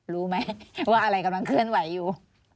รู้ไหมว่าอะไรกำลังเคลื่อนไหวอยู่